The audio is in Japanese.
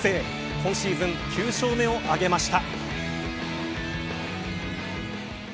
今シーズン９勝目を挙げました。